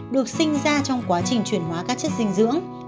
được sinh ra trong quá trình chuyển hóa các chất dinh dưỡng